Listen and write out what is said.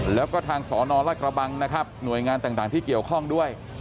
แล้วก็ทางสนรัฐกระบังนะครับหน่วยงานต่างที่เกี่ยวข้องด้วย